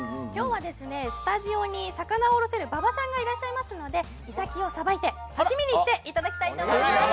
今日はスタジオに魚をおろせる馬場さんがいらっしゃいますのでイサキをさばいて刺身にしていただきたいと思います。